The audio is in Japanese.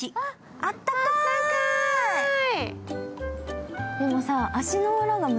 あったかーい。